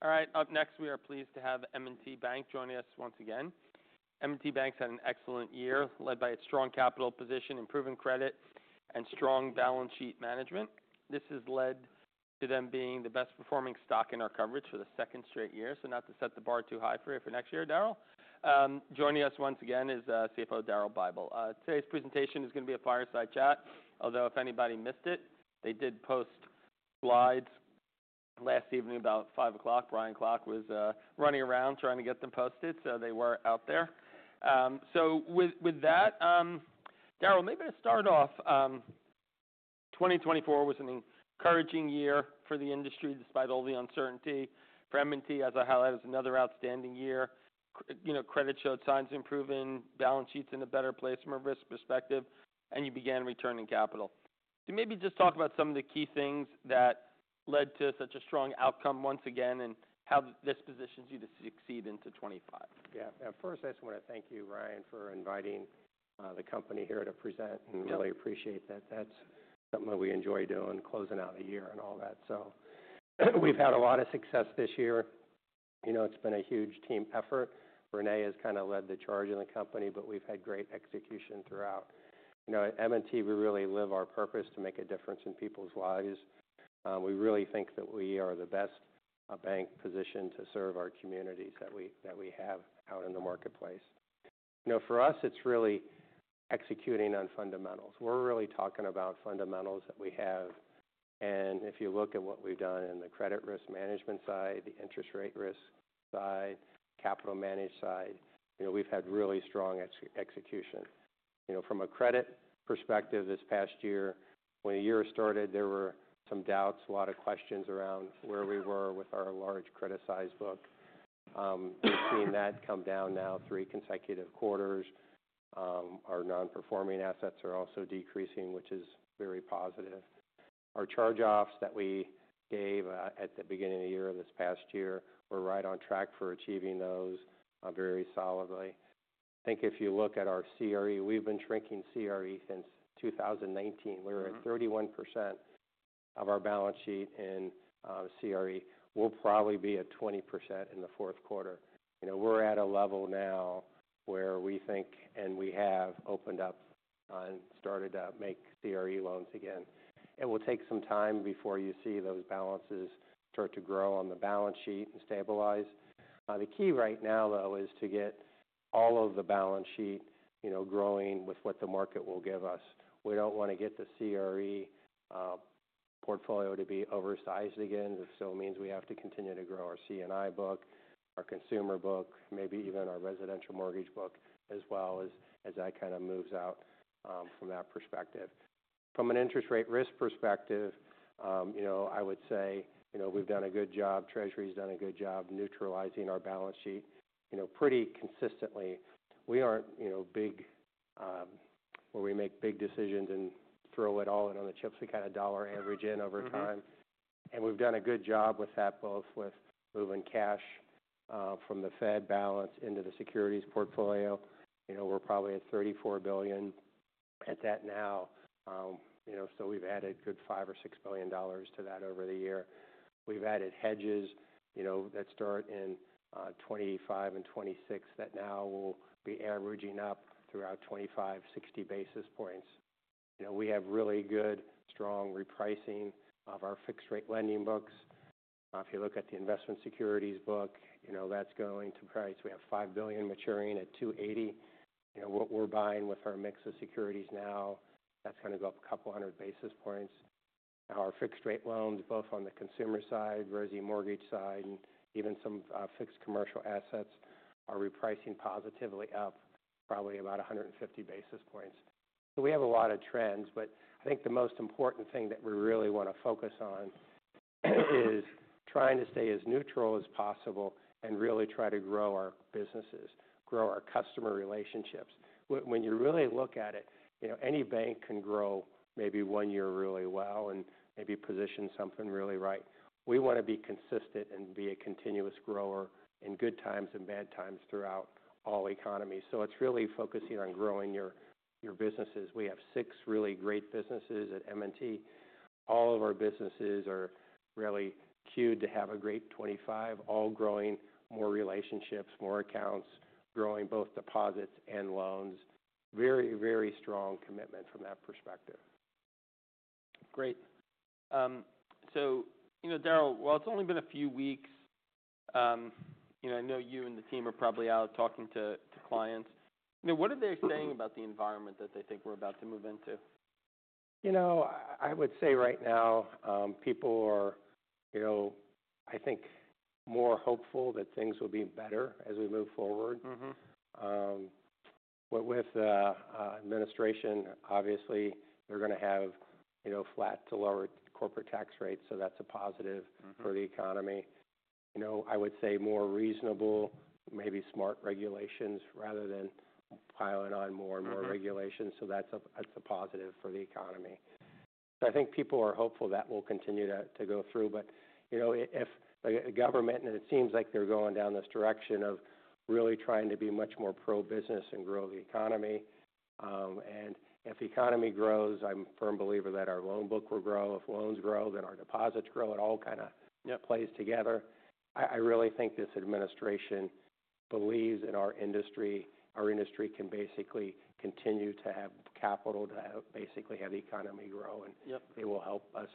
All right. Up next, we are pleased to have M&T Bank joining us once again. M&T Bank's had an excellent year, led by its strong capital position, improving credit, and strong balance sheet management. This has led to them being the best-performing stock in our coverage for the second straight year. So not to set the bar too high for you for next year, Daryl. Joining us once again is CFO Daryl Bible. Today's presentation is gonna be a fireside chat, although if anybody missed it, they did post slides last evening about 5:00 P.M. Brian Klock was running around trying to get them posted, so they were out there. So with that, Daryl, maybe to start off, 2024 was an encouraging year for the industry despite all the uncertainty. For M&T, as I highlighted, it was another outstanding year. Credit, you know, credit showed signs of improving balance sheets in a better place from a risk perspective, and you began returning capital. So maybe just talk about some of the key things that led to such a strong outcome once again and how this positions you to succeed into 2025. Yeah. Now, first, I just wanna thank you, Ryan, for inviting the company here to present. Yeah. And really appreciate that. That's something that we enjoy doing, closing out a year and all that. So we've had a lot of success this year. You know, it's been a huge team effort. René has kinda led the charge in the company, but we've had great execution throughout. You know, at M&T, we really live our purpose to make a difference in people's lives. We really think that we are the best bank positioned to serve our communities that we have out in the marketplace. You know, for us, it's really executing on fundamentals. We're really talking about fundamentals that we have. And if you look at what we've done in the credit risk management side, the interest rate risk side, capital management side, you know, we've had really strong execution. You know, from a credit perspective this past year, when the year started, there were some doubts, a lot of questions around where we were with our large credit size book. We've seen that come down now three consecutive quarters. Our non-performing assets are also decreasing, which is very positive. Our charge-offs that we gave, at the beginning of the year this past year, we're right on track for achieving those, very solidly. I think if you look at our CRE, we've been shrinking CRE since 2019. Yeah. We were at 31% of our balance sheet in CRE. We'll probably be at 20% in the fourth quarter. You know, we're at a level now where we think and we have opened up and started to make CRE loans again. It will take some time before you see those balances start to grow on the balance sheet and stabilize. The key right now, though, is to get all of the balance sheet, you know, growing with what the market will give us. We don't wanna get the CRE portfolio to be oversized again, which still means we have to continue to grow our C&I book, our consumer book, maybe even our residential mortgage book as well as, as that kinda moves out, from that perspective. From an interest rate risk perspective, you know, I would say, you know, we've done a good job. Treasury's done a good job neutralizing our balance sheet, you know, pretty consistently. We aren't, you know, big, where we make big decisions and throw it all in on the chips. We kinda dial our average in over time. Yeah. And we've done a good job with that, both with moving cash from the Fed balance into the securities portfolio. You know, we're probably at $34 billion at that now. You know, so we've added good $5-$6 billion to that over the year. We've added hedges, you know, that start in 2025 and 2026 that now will be averaging up throughout 2025, 60 basis points. You know, we have really good, strong repricing of our fixed-rate lending books. If you look at the investment securities book, you know, that's going to price. We have $5 billion maturing at 280. You know, what we're buying with our mix of securities now, that's gonna go up a couple hundred basis points. Our fixed-rate loans, both on the consumer side, Resi mortgage side, and even some fixed commercial assets are repricing positively up probably about 150 basis points. We have a lot of trends, but I think the most important thing that we really wanna focus on is trying to stay as neutral as possible and really try to grow our businesses, grow our customer relationships. When you really look at it, you know, any bank can grow maybe one year really well and maybe position something really right. We wanna be consistent and be a continuous grower in good times and bad times throughout all economies. So it's really focusing on growing your businesses. We have six really great businesses at M&T. All of our businesses are really poised to have a great 2025, all growing more relationships, more accounts, growing both deposits and loans. Very, very strong commitment from that perspective. Great. So, you know, Daryl, well, it's only been a few weeks. You know, I know you and the team are probably out talking to clients. You know, what are they saying about the environment that they think we're about to move into? You know, I would say right now, people are, you know, I think more hopeful that things will be better as we move forward. Mm-hmm. But with the administration, obviously, they're gonna have, you know, flat to lower corporate tax rates, so that's a positive. Mm-hmm. For the economy. You know, I would say more reasonable, maybe smart regulations rather than piling on more and more. Yeah. Regulations. So that's a positive for the economy. So I think people are hopeful that will continue to go through. But, you know, if the government and it seems like they're going down this direction of really trying to be much more pro-business and grow the economy and if the economy grows, I'm a firm believer that our loan book will grow. If loans grow, then our deposits grow. It all kinda. Yep. Plays together. I really think this administration believes in our industry. Our industry can basically continue to have capital, to basically have the economy grow, and. Yep. They will help us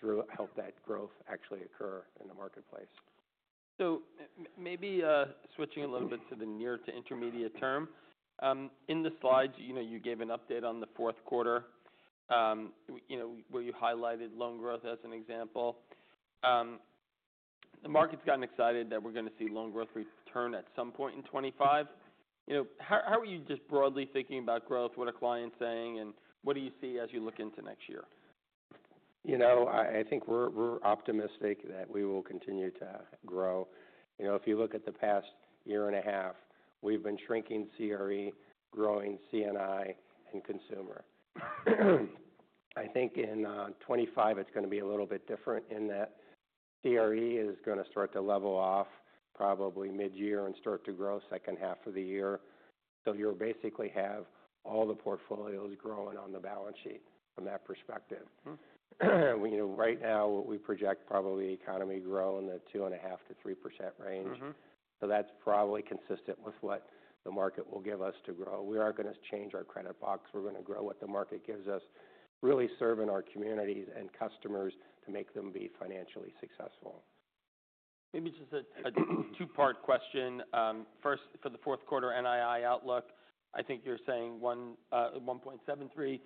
to help that growth actually occur in the marketplace. Maybe, switching a little bit. Mm-hmm. To the near to intermediate term. In the slides, you know, you gave an update on the fourth quarter. You know, where you highlighted loan growth as an example. The market's gotten excited that we're gonna see loan growth return at some point in 2025. You know, how are you just broadly thinking about growth? What are clients saying, and what do you see as you look into next year? You know, I think we're optimistic that we will continue to grow. You know, if you look at the past year and a half, we've been shrinking CRE, growing C&I, and consumer. I think in 2025, it's gonna be a little bit different in that CRE is gonna start to level off probably mid-year and start to grow second half of the year. So you'll basically have all the portfolios growing on the balance sheet from that perspective. Mm-hmm. We, you know, right now, we project probably the economy growing at 2.5%-3% range. Mm-hmm. So that's probably consistent with what the market will give us to grow. We aren't gonna change our credit box. We're gonna grow what the market gives us, really serving our communities and customers to make them be financially successful. Maybe just a two-part question. First, for the fourth quarter NII outlook, I think you're saying $1.73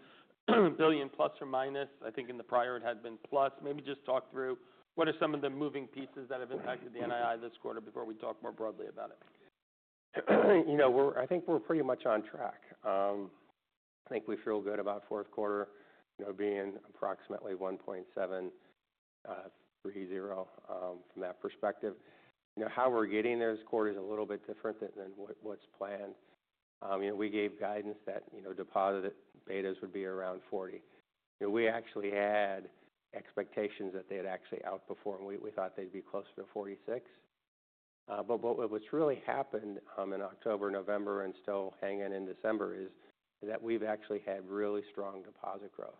billion±. I think in the prior, it had been plus. Maybe just talk through what are some of the moving pieces that have impacted the NII this quarter before we talk more broadly about it. You know, we're I think we're pretty much on track. I think we feel good about fourth quarter, you know, being approximately $1.730 billion, from that perspective. You know, how we're getting this quarter is a little bit different than what what's planned. You know, we gave guidance that, you know, deposit betas would be around 40. You know, we actually had expectations that they'd actually outperform. We thought they'd be closer to 46. But what's really happened in October, November, and still hanging in December is that we've actually had really strong deposit growth.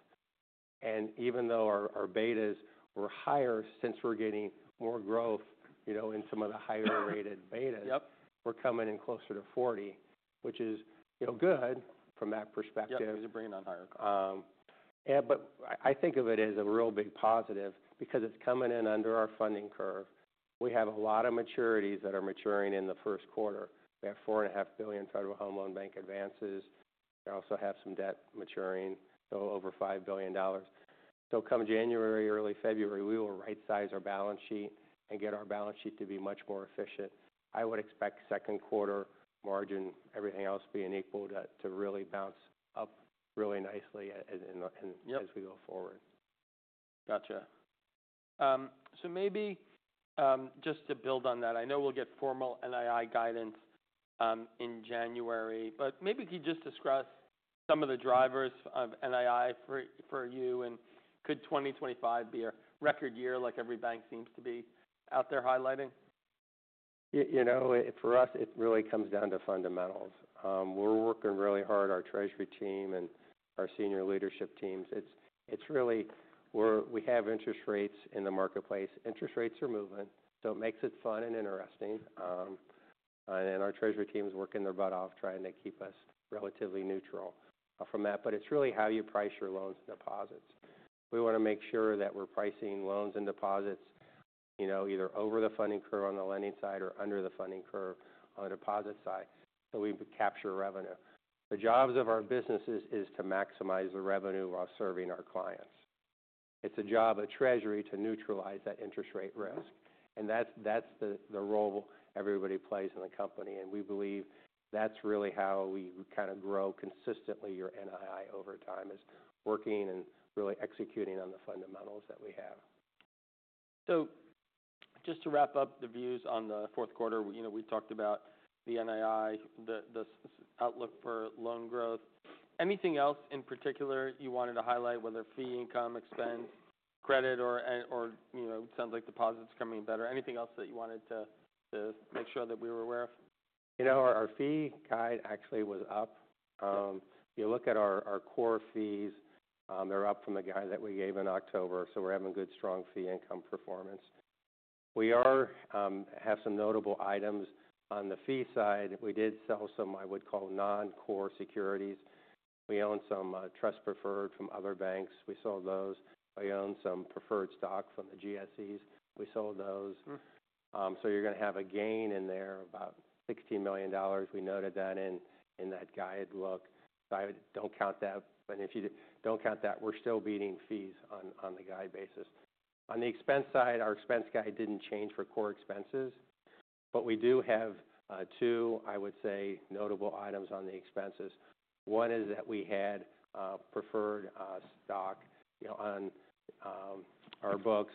And even though our betas were higher since we're getting more growth, you know, in some of the higher-rated betas. Yep. We're coming in closer to 40, which is, you know, good from that perspective. Yeah. 'Cause you're bringing on higher costs. Yeah. But I think of it as a real big positive because it's coming in under our funding curve. We have a lot of maturities that are maturing in the first quarter. We have $4.5 billion Federal Home Loan Bank advances. We also have some debt maturing, so over $5 billion. So come January, early February, we will right-size our balance sheet and get our balance sheet to be much more efficient. I would expect second quarter margin, everything else being equal, to really bounce up really nicely as in the. Yep. As we go forward. Gotcha, so maybe, just to build on that, I know we'll get formal NII guidance in January, but maybe could you just discuss some of the drivers of NII for, for you, and could 2025 be a record year like every bank seems to be out there highlighting? You know, for us, it really comes down to fundamentals. We're working really hard, our treasury team and our senior leadership teams. It's really we have interest rates in the marketplace. Interest rates are moving, so it makes it fun and interesting, and then our treasury team's working their butt off trying to keep us relatively neutral from that, but it's really how you price your loans and deposits. We wanna make sure that we're pricing loans and deposits, you know, either over the funding curve on the lending side or under the funding curve on the deposit side so we capture revenue. The jobs of our business is to maximize the revenue while serving our clients. It's a job of treasury to neutralize that interest rate risk, and that's the role everybody plays in the company. We believe that's really how we kinda grow consistently your NII over time is working and really executing on the fundamentals that we have. Just to wrap up the views on the fourth quarter, you know, we talked about the NII, the outlook for loan growth. Anything else in particular you wanted to highlight, whether fee income, expense, credit, or, you know, it sounds like deposits coming in better? Anything else that you wanted to make sure that we were aware of? You know, our fee guide actually was up. Okay. If you look at our core fees, they're up from the guide that we gave in October, so we're having good, strong fee income performance. We have some notable items on the fee side. We did sell some, I would call, non-core securities. We owned some trust preferred from other banks. We sold those. We owned some stock from the GSEs. We sold those. Mm-hmm. So you're gonna have a gain in there of about $16 million. We noted that in that guide look. So I don't count that. And if you don't count that, we're still beating fees on the guide basis. On the expense side, our expense guide didn't change for core expenses, but we do have two, I would say, notable items on the expenses. One is that we had preferred stock, you know, on our books.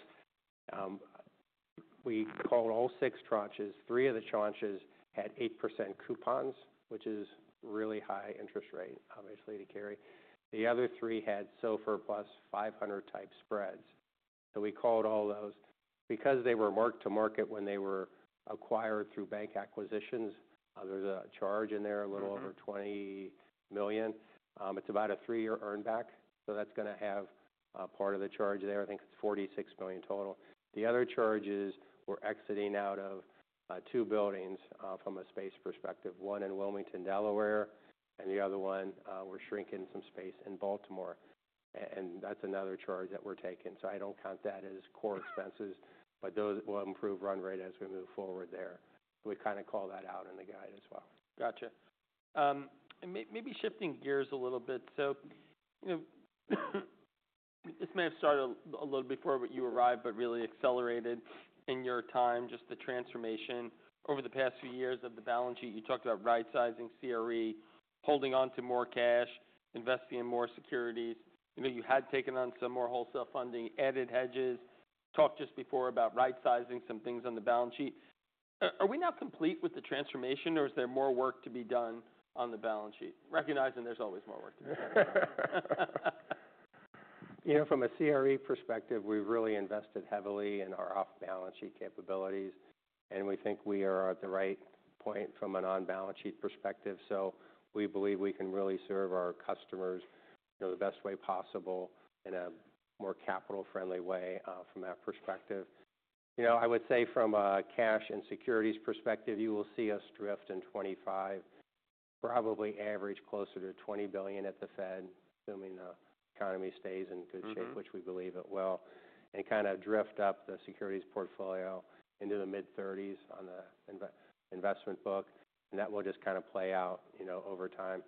We called all six tranches. Three of the tranches had 8% coupons, which is really high interest rate, obviously, to carry. The other three had SOFR plus 500-type spreads. So we called all those. Because they were marked to market when they were acquired through bank acquisitions, there's a charge in there, a little over $20 million. It's about a three-year earnback, so that's gonna have part of the charge there. I think it's $46 million total. The other charges were exiting out of two buildings, from a space perspective. One in Wilmington, Delaware, and the other one, we're shrinking some space in Baltimore. And that's another charge that we're taking. So I don't count that as core expenses, but those will improve run rate as we move forward there. We kinda call that out in the guide as well. Gotcha, and maybe shifting gears a little bit. So, you know, this may have started a little before, but you arrived, but really accelerated in your time, just the transformation over the past few years of the balance sheet. You talked about right-sizing CRE, holding onto more cash, investing in more securities. You know, you had taken on some more wholesale funding, added hedges. Talked just before about right-sizing some things on the balance sheet. Are we now complete with the transformation, or is there more work to be done on the balance sheet? Recognizing there's always more work to be done. You know, from a CRE perspective, we've really invested heavily in our off-balance sheet capabilities, and we think we are at the right point from a non-balance sheet perspective. So we believe we can really serve our customers, you know, the best way possible in a more capital-friendly way, from that perspective. You know, I would say from a cash and securities perspective, you will see us drift in 2025, probably average closer to $20 billion at the Fed, assuming the economy stays in good shape. Mm-hmm. Which we believe it will, and kinda drift up the securities portfolio into the mid-30s on the investment book. And that will just kinda play out, you know, over time.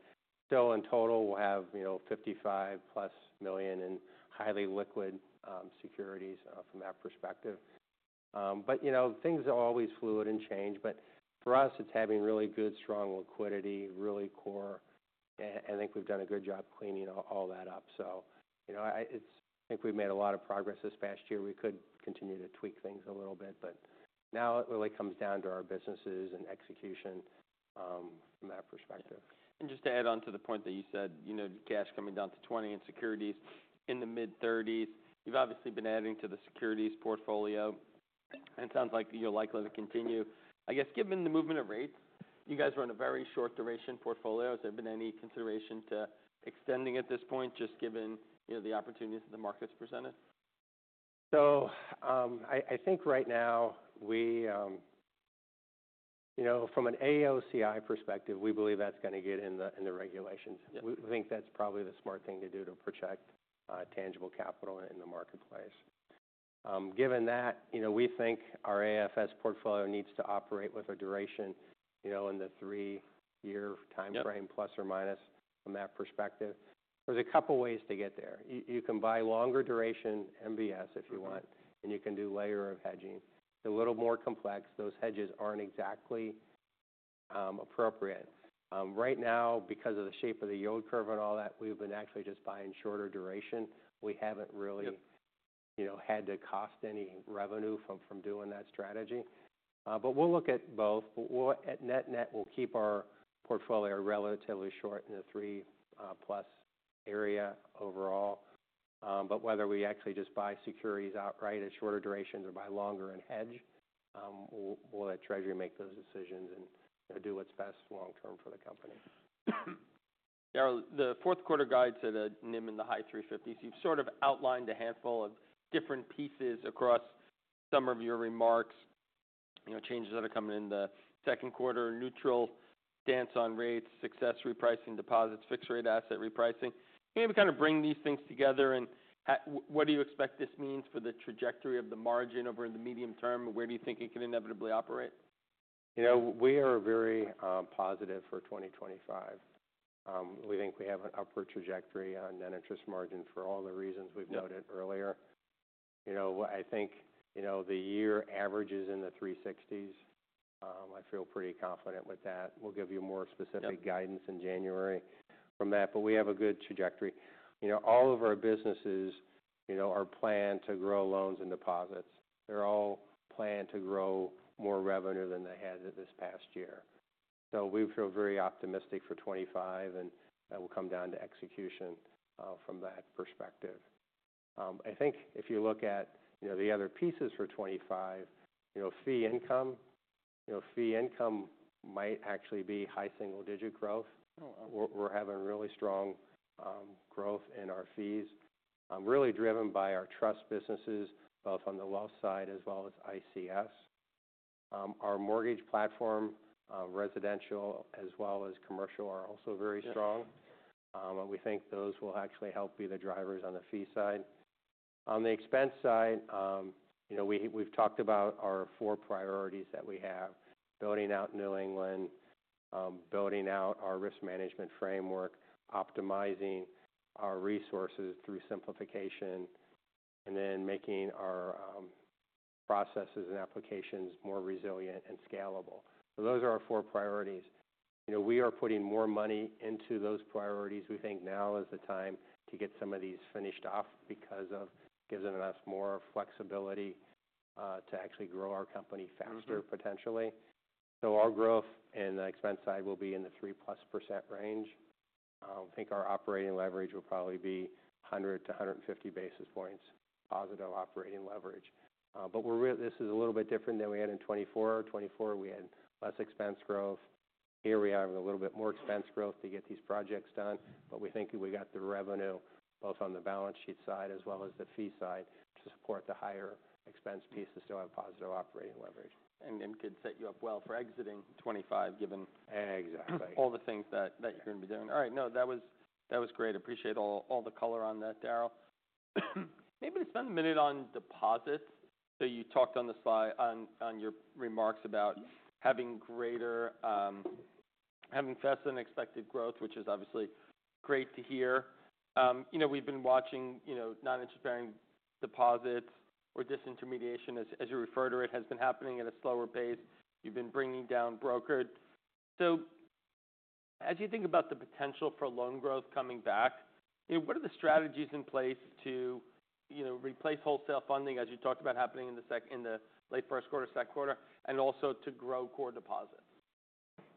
So in total, we'll have, you know, $55+ million in highly liquid securities, from that perspective. But, you know, things are always fluid and change, but for us, it's having really good, strong liquidity, really core. And I think we've done a good job cleaning all that up. So, you know, I think we've made a lot of progress this past year. We could continue to tweak things a little bit, but now it really comes down to our businesses and execution, from that perspective. Just to add on to the point that you said, you know, cash coming down to 20 and securities in the mid-30s, you've obviously been adding to the securities portfolio, and it sounds like you're likely to continue. I guess, given the movement of rates, you guys are on a very short-duration portfolio. Has there been any consideration to extending at this point, just given, you know, the opportunities that the market's presented? I think right now, we, you know, from an AOCI perspective, we believe that's gonna get in the regulations. Yep. We think that's probably the smart thing to do to protect tangible capital in the marketplace. Given that, you know, we think our AFS portfolio needs to operate with a duration, you know, in the three-year time frame. Mm-hmm. Plus or minus from that perspective. There's a couple ways to get there. You can buy longer-duration MBS if you want, and you can do layer of hedging. They're a little more complex. Those hedges aren't exactly appropriate right now, because of the shape of the yield curve and all that, we've been actually just buying shorter duration. We haven't really. Yep. You know, had to cost any revenue from doing that strategy. But we'll look at both. We'll, at net-net, we'll keep our portfolio relatively short in the three-plus area overall. But whether we actually just buy securities outright at shorter durations or buy longer and hedge, we'll let Treasury make those decisions and, you know, do what's best long-term for the company. Daryl, the fourth quarter guide said NIM in the high 350s. You've sort of outlined a handful of different pieces across some of your remarks, you know, changes that are coming in the second quarter, neutral stance on rates, asset repricing, deposits, fixed-rate asset repricing. Maybe kinda bring these things together and what do you expect this means for the trajectory of the margin over the medium term, and where do you think it can inevitably operate? You know, we are very positive for 2025. We think we have an upward trajectory on net interest margin for all the reasons we've noted earlier. Mm-hmm. You know, I think, you know, the year averages in the 360s. I feel pretty confident with that. We'll give you more specific. Okay. Guidance in January from that, but we have a good trajectory. You know, all of our businesses, you know, are planned to grow loans and deposits. They're all planned to grow more revenue than they had this past year. So we feel very optimistic for 2025, and that will come down to execution, from that perspective. I think if you look at, you know, the other pieces for 2025, you know, fee income, you know, fee income might actually be high single-digit growth. Oh, wow. We're having really strong growth in our fees, really driven by our trust businesses, both on the wealth side as well as ICS. Our mortgage platform, residential as well as commercial, are also very strong. Yeah. And we think those will actually help be the drivers on the fee side. On the expense side, you know, we've talked about our four priorities that we have: building out New England, building out our risk management framework, optimizing our resources through simplification, and then making our processes and applications more resilient and scalable. So those are our four priorities. You know, we are putting more money into those priorities. We think now is the time to get some of these finished off because of it gives us more flexibility to actually grow our company faster. Mm-hmm. Potentially. So our growth in the expense side will be in the 3-plus% range. I think our operating leverage will probably be 100 to 150 basis points positive operating leverage. But we're real this is a little bit different than we had in 2024. 2024, we had less expense growth. Here we have a little bit more expense growth to get these projects done, but we think we got the revenue both on the balance sheet side as well as the fee side to support the higher expense piece to still have positive operating leverage. And could set you up well for exiting 2025 given. Exactly. All the things that you're gonna be doing. All right. No, that was great. Appreciate all the color on that, Daryl. Maybe to spend a minute on deposits. So you talked on the slide on your remarks about. Yes. Having faster than expected growth, which is obviously great to hear. You know, we've been watching, you know, non-interest-bearing deposits or disintermediation, as you refer to it, has been happening at a slower pace. You've been bringing down brokered. So as you think about the potential for loan growth coming back, you know, what are the strategies in place to, you know, replace wholesale funding, as you talked about, happening as you see in the late first quarter, second quarter, and also to grow core deposits?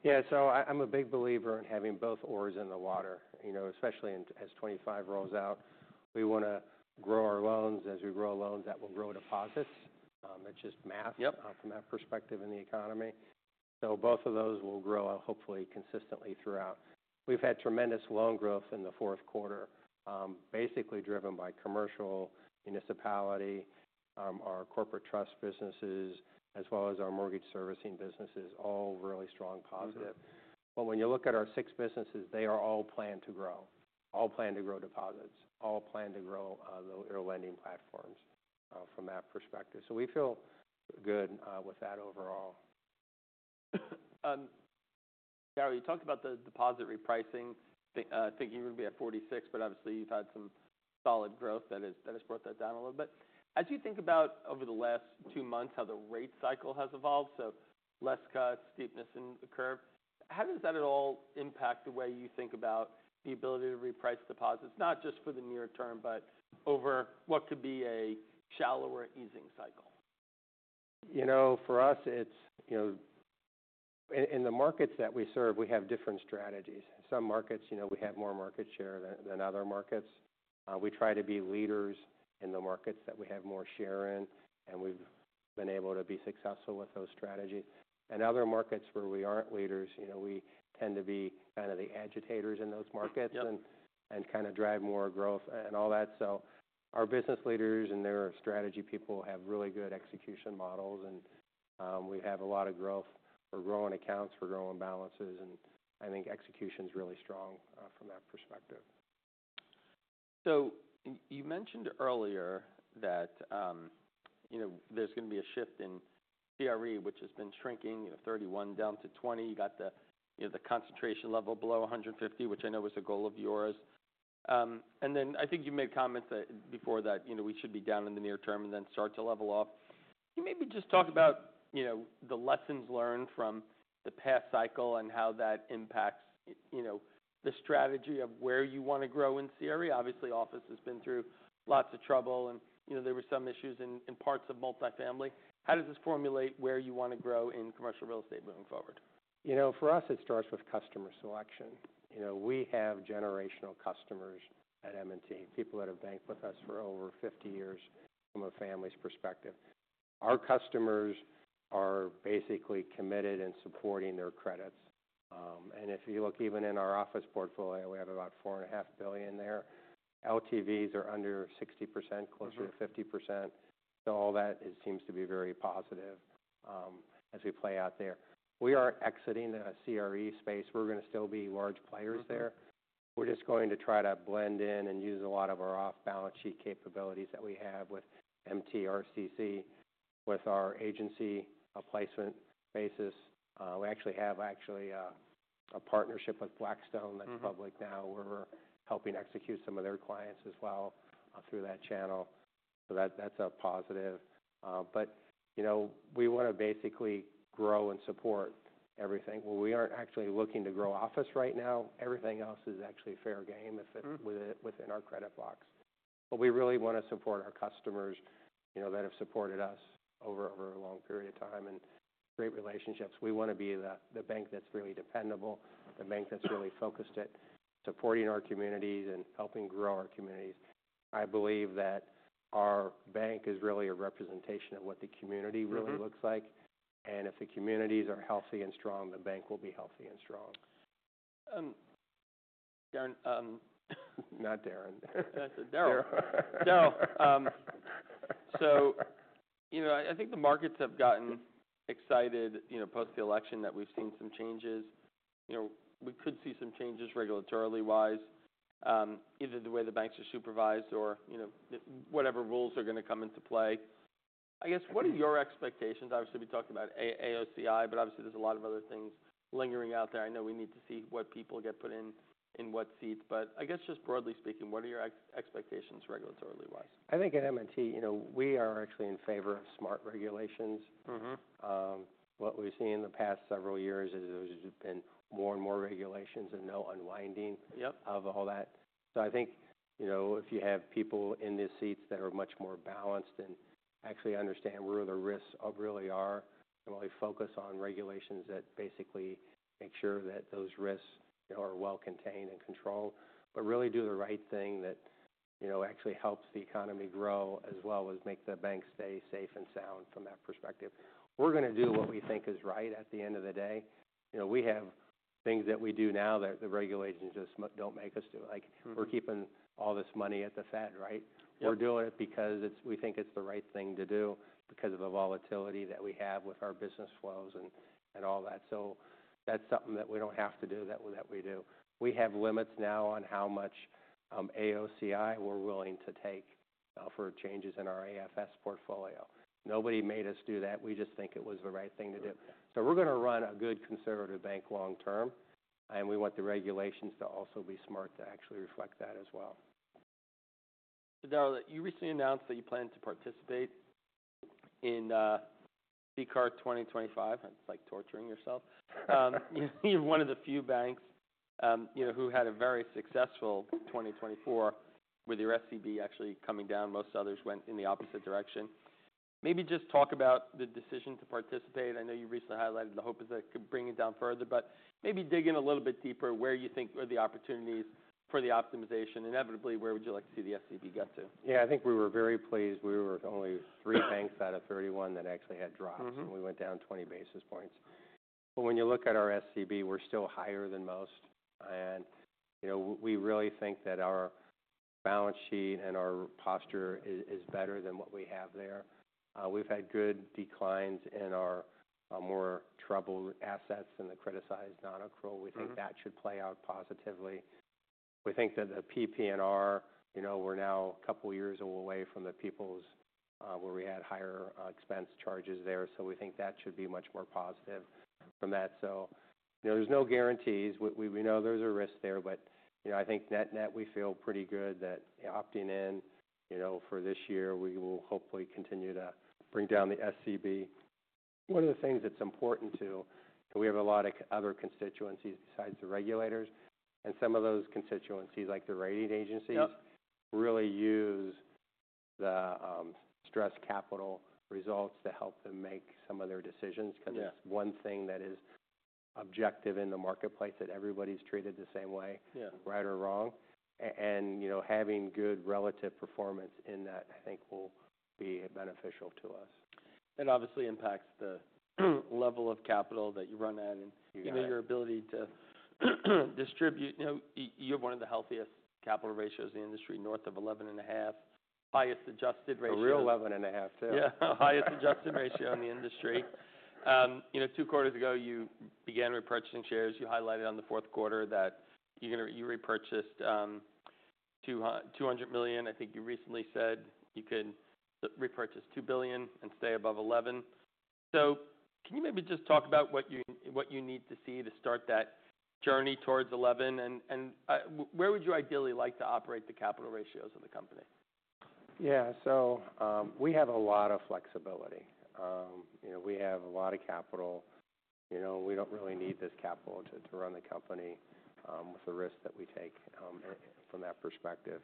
Yeah. So I'm a big believer in having both oars in the water, you know, especially as 2025 rolls out. We wanna grow our loans. As we grow loans, that will grow deposits. It's just math. Yep. From that perspective in the economy. So both of those will grow out hopefully consistently throughout. We've had tremendous loan growth in the fourth quarter, basically driven by commercial, municipality, our corporate trust businesses, as well as our mortgage servicing businesses, all really strong positive. Mm-hmm. But when you look at our six businesses, they are all planned to grow, all planned to grow deposits, all planned to grow your lending platforms, from that perspective. So we feel good with that overall. Daryl, you talked about the deposit repricing, think you're gonna be at 46, but obviously, you've had some solid growth that has brought that down a little bit. As you think about over the last two months how the rate cycle has evolved, so less cuts, steepness in the curve, how does that at all impact the way you think about the ability to reprice deposits, not just for the near term but over what could be a shallower easing cycle? You know, for us, it's, you know, in the markets that we serve, we have different strategies. Some markets, you know, we have more market share than other markets. We try to be leaders in the markets that we have more share in, and we've been able to be successful with those strategies, and other markets where we aren't leaders, you know, we tend to be kinda the agitators in those markets. Yep. Kinda drive more growth and all that. Our business leaders and their strategy people have really good execution models, and we have a lot of growth. We're growing accounts. We're growing balances, and I think execution's really strong from that perspective. So you mentioned earlier that, you know, there's gonna be a shift in CRE, which has been shrinking, you know, 31 down to 20. You got the, you know, the concentration level below 150, which I know was a goal of yours, and then I think you made comments that before that, you know, we should be down in the near term and then start to level off. Can you maybe just talk about, you know, the lessons learned from the past cycle and how that impacts, you know, the strategy of where you wanna grow in CRE? Obviously, office has been through lots of trouble, and, you know, there were some issues in parts of multifamily. How does this formulate where you wanna grow in commercial real estate moving forward? You know, for us, it starts with customer selection. You know, we have generational customers at M&T, people that have banked with us for over 50 years from a family's perspective. Our customers are basically committed and supporting their credits, and if you look, even in our office portfolio, we have about $4.5 billion there. LTVs are under 60%, closer to 50%. Mm-hmm. So all that, it seems to be very positive, as we play out there. We aren't exiting the CRE space. We're gonna still be large players there. Mm-hmm. We're just going to try to blend in and use a lot of our off-balance sheet capabilities that we have with MTRCC with our agency placement basis. We actually have a partnership with Blackstone that's public now. Mm-hmm. Where we're helping execute some of their clients as well, through that channel. So that's a positive. But you know, we wanna basically grow and support everything. Well, we aren't actually looking to grow office right now. Everything else is actually fair game if it. Mm-hmm. Within our credit box, but we really wanna support our customers, you know, that have supported us over a long period of time and great relationships. We wanna be the bank that's really dependable, the bank that's really focused at supporting our communities and helping grow our communities. I believe that our bank is really a representation of what the community really looks like. Mm-hmm. If the communities are healthy and strong, the bank will be healthy and strong. Daryn, Not Daryn. That's a Daryl. Daryl. So, you know, I think the markets have gotten excited, you know, post the election that we've seen some changes. You know, we could see some changes regulatory-wise, either the way the banks are supervised or, you know, the whatever rules are gonna come into play. I guess, what are your expectations? Obviously, we talked about AOCI, but obviously, there's a lot of other things lingering out there. I know we need to see what people get put in what seats, but I guess just broadly speaking, what are your expectations regulatory-wise? I think at M&T, you know, we are actually in favor of smart regulations. Mm-hmm. What we've seen in the past several years is there's just been more and more regulations and no unwinding. Yep. Of all that. So I think, you know, if you have people in these seats that are much more balanced and actually understand where the risks really are and really focus on regulations that basically make sure that those risks, you know, are well contained and controlled, but really do the right thing that, you know, actually helps the economy grow as well as make the bank stay safe and sound from that perspective. We're gonna do what we think is right at the end of the day. You know, we have things that we do now that the regulations just don't make us do. Like. Mm-hmm. We're keeping all this money at the Fed, right? Yep. We're doing it because we think it's the right thing to do because of the volatility that we have with our business flows and all that. So that's something that we don't have to do that we do. We have limits now on how much AOCI we're willing to take for changes in our AFS portfolio. Nobody made us do that. We just think it was the right thing to do. Okay. So we're gonna run a good conservative bank long-term, and we want the regulations to also be smart to actually reflect that as well. Daryl, you recently announced that you plan to participate in CCAR 2025. That's like torturing yourself. You're one of the few banks, you know, who had a very successful 2024 with your SCB actually coming down. Most others went in the opposite direction. Maybe just talk about the decision to participate. I know you recently highlighted the hope is that it could bring it down further, but maybe dig in a little bit deeper where you think are the opportunities for the optimization. Inevitably, where would you like to see the SCB get to? Yeah. I think we were very pleased. We were only three banks out of 31 that actually had drops. Mm-hmm. And we went down 20 basis points. But when you look at our SCB, we're still higher than most. And, you know, we really think that our balance sheet and our posture is better than what we have there. We've had good declines in our more troubled assets and the criticized non-accrual. Mm-hmm. We think that should play out positively. We think that the PP&R, you know, we're now a couple years away from the People's, where we had higher expense charges there. So we think that should be much more positive from that. So, you know, there's no guarantees. We know there's a risk there, but, you know, I think net-net we feel pretty good that opting in, you know, for this year, we will hopefully continue to bring down the SCB. One of the things that's important too, and we have a lot of other constituencies besides the regulators, and some of those constituencies, like the rating agencies. Yep. Really use the stress capital results to help them make some of their decisions. Yeah. 'Cause it's one thing that is objective in the marketplace that everybody's treated the same way. Yeah. Right or wrong, and you know, having good relative performance in that, I think, will be beneficial to us. That obviously impacts the level of capital that you run at and. You got it. You know, your ability to distribute. You know, you're one of the healthiest capital ratios in the industry, north of 11.5, highest adjusted ratio. A real 11 and a half, too. Yeah. Highest adjusted ratio in the industry. You know, two quarters ago, you began repurchasing shares. You highlighted on the fourth quarter that you repurchased $200 million. I think you recently said you could repurchase $2 billion and stay above 11%. So can you maybe just talk about what you need to see to start that journey towards 11%? And where would you ideally like to operate the capital ratios of the company? Yeah. So, we have a lot of flexibility. You know, we have a lot of capital. You know, we don't really need this capital to run the company with the risk that we take, and from that perspective.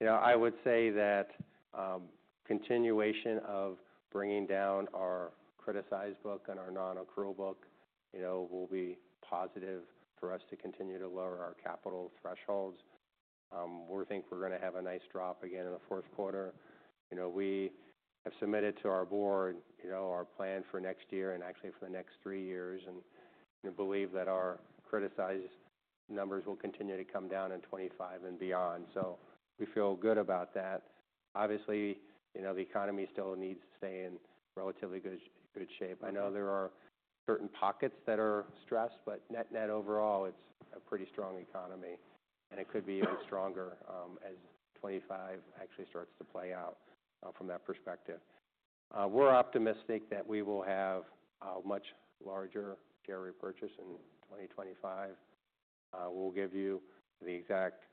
You know, I would say that continuation of bringing down our criticized book and our non-accrual book, you know, will be positive for us to continue to lower our capital thresholds. We think we're gonna have a nice drop again in the fourth quarter. You know, we have submitted to our board, you know, our plan for next year and actually for the next three years and, you know, believe that our criticized numbers will continue to come down in 2025 and beyond. So we feel good about that. Obviously, you know, the economy still needs to stay in relatively good shape. I know there are certain pockets that are stressed, but net-net overall, it's a pretty strong economy, and it could be even stronger, as 2025 actually starts to play out, from that perspective. We're optimistic that we will have a much larger share repurchase in 2025. We'll give you the exact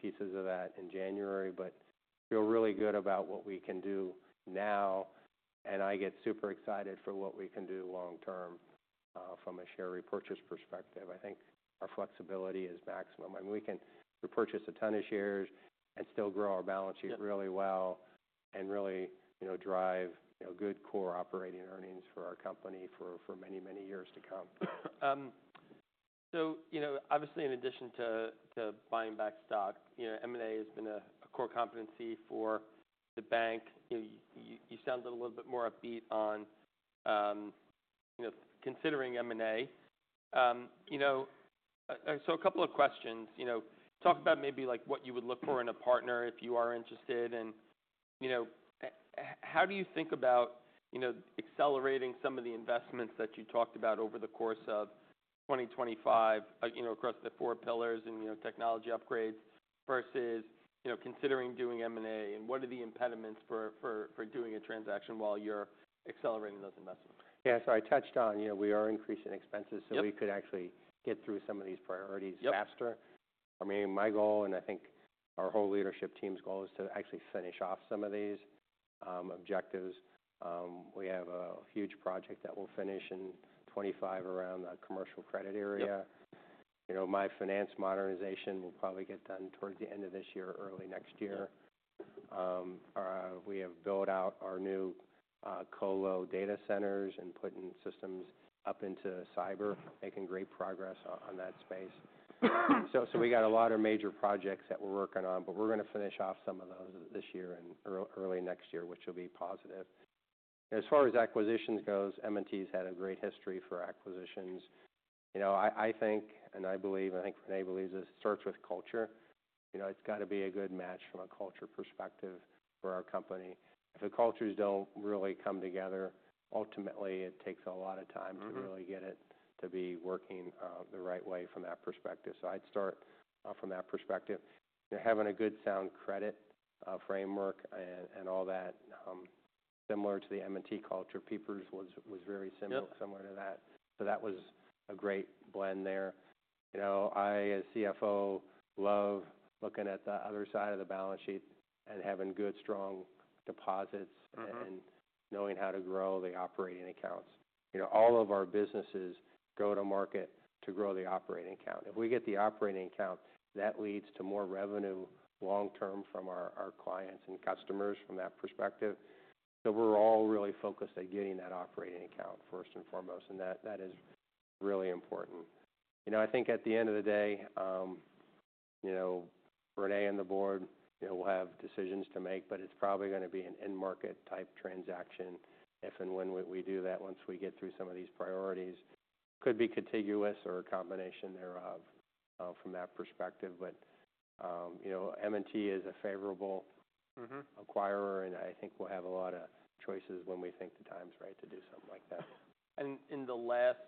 pieces of that in January, but feel really good about what we can do now, and I get super excited for what we can do long-term, from a share repurchase perspective. I think our flexibility is maximum. I mean, we can repurchase a ton of shares and still grow our balance sheet really well. Yep. And really, you know, drive, you know, good core operating earnings for our company for many, many years to come. So, you know, obviously, in addition to buying back stock, you know, M&A has been a core competency for the bank. You know, you sounded a little bit more upbeat on, you know, considering M&A. You know, so a couple of questions. You know, talk about maybe, like, what you would look for in a partner if you are interested. And, you know, how do you think about, you know, accelerating some of the investments that you talked about over the course of 2025, you know, across the four pillars and, you know, technology upgrades versus, you know, considering doing M&A? And what are the impediments for doing a transaction while you are accelerating those investments? Yeah. So I touched on, you know, we are increasing expenses. Yep. We could actually get through some of these priorities faster. Yep. I mean, my goal, and I think our whole leadership team's goal, is to actually finish off some of these objectives. We have a huge project that we'll finish in 2025 around the commercial credit area. Yep. You know, my finance modernization will probably get done towards the end of this year, early next year. We have built out our new, colo data centers and put in systems up into cyber, making great progress on that space. So we got a lot of major projects that we're working on, but we're gonna finish off some of those this year and early next year, which will be positive. As far as acquisitions goes, M&T's had a great history for acquisitions. You know, I think, and I believe, and I think René believes, this starts with culture. You know, it's gotta be a good match from a culture perspective for our company. If the cultures don't really come together, ultimately, it takes a lot of time to really get it to be working, the right way from that perspective. So I'd start, from that perspective. You know, having a good sound credit framework and all that, similar to the M&T culture, People's was very similar. Yep. Similar to that. So that was a great blend there. You know, I, as CFO, love looking at the other side of the balance sheet and having good, strong deposits. Mm-hmm. Knowing how to grow the operating accounts. You know, all of our businesses go to market to grow the operating account. If we get the operating account, that leads to more revenue long-term from our, our clients and customers from that perspective. So we're all really focused at getting that operating account first and foremost, and that, that is really important. You know, I think at the end of the day, you know, René and the board, you know, will have decisions to make, but it's probably gonna be an in-market type transaction if and when we, we do that once we get through some of these priorities. It could be contiguous or a combination thereof, from that perspective. But, you know, M&T is a favorable. Mm-hmm. Acquirer, and I think we'll have a lot of choices when we think the time's right to do something like that. In the last,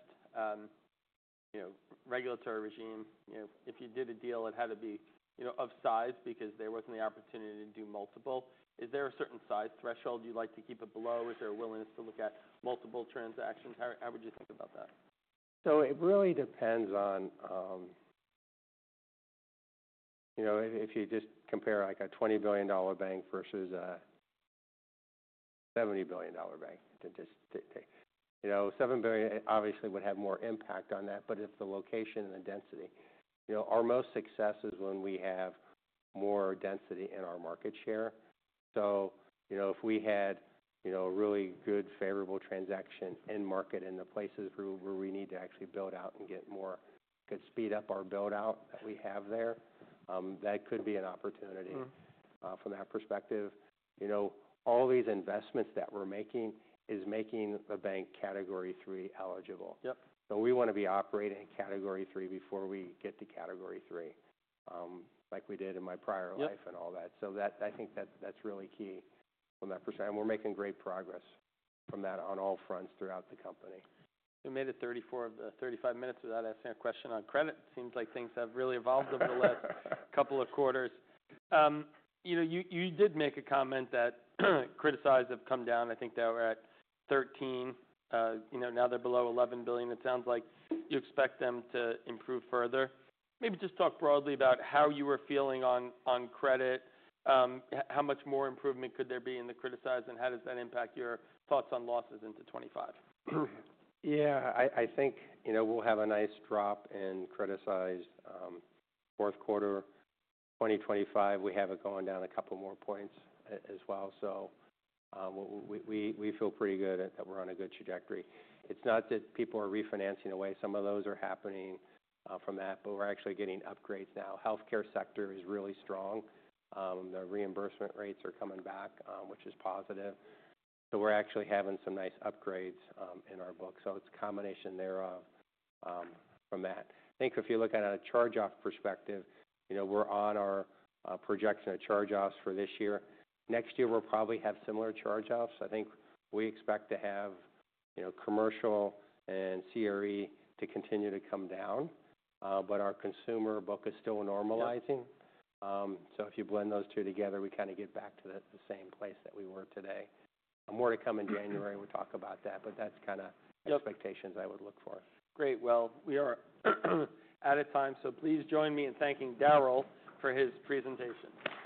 you know, regulatory regime, you know, if you did a deal, it had to be, you know, of size because there wasn't the opportunity to do multiple. Is there a certain size threshold you'd like to keep it below? Is there a willingness to look at multiple transactions? How would you think about that? So it really depends on, you know, if you just compare, like, a $20 billion bank versus a $70 billion bank to just, you know, $7 billion, obviously, would have more impact on that. But if the location and the density, you know, our most success is when we have more density in our market share. So, you know, if we had, you know, a really good, favorable transaction in market in the places where we need to actually build out and get more could speed up our build-out that we have there, that could be an opportunity. Mm-hmm. From that perspective. You know, all these investments that we're making is making the bank Category III eligible. Yep. So we wanna be operating in Category III before we get to Category III, like we did in my prior life. Yep. And all that. So that, I think that that's really key from that perspective. And we're making great progress from that on all fronts throughout the company. We made it 34 of the 35 minutes without asking a question on credit. Seems like things have really evolved over the last couple of quarters. You know, you did make a comment that criticized have come down. I think they were at $13 billion. You know, now they're below $11 billion. It sounds like you expect them to improve further. Maybe just talk broadly about how you were feeling on credit. How much more improvement could there be in the criticized, and how does that impact your thoughts on losses into 2025? Yeah. I think, you know, we'll have a nice drop in criticized fourth quarter 2025. We have it going down a couple more points as well. So, we feel pretty good that we're on a good trajectory. It's not that people are refinancing away. Some of those are happening from that, but we're actually getting upgrades now. The healthcare sector is really strong. The reimbursement rates are coming back, which is positive. So we're actually having some nice upgrades in our book. So it's a combination thereof from that. I think if you look at a charge-off perspective, you know, we're on our projection of charge-offs for this year. Next year, we'll probably have similar charge-offs. I think we expect to have, you know, commercial and CRE to continue to come down. But our consumer book is still normalizing. Mm-hmm. So if you blend those two together, we kinda get back to the same place that we were today. More to come in January. We'll talk about that, but that's kinda. Yep. Expectations I would look for. Great. Well, we are out of time, so please join me in thanking Daryl for his presentation.